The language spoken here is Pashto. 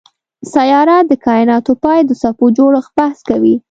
سیارات د کایناتو پای او د څپو جوړښت بحث کوي.